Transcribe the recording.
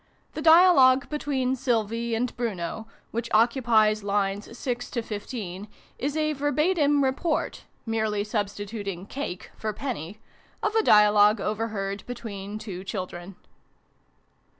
The dialogue between Sylvie and Bruno, which occupies lines 6 to 15, is a verbatim report (merely substituting "cake" for "penny") of a dia logue overheard between two children.